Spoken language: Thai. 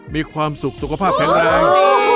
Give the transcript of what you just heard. มีความสุขสุขภาพแข็งแรง